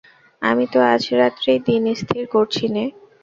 আমি তো আজ রাত্রেই দিন স্থির করছি নে।